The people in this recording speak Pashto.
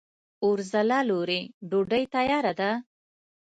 اورځلا لورې! ډوډۍ تیاره ده؟